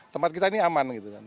tempat kita ini aman gitu kan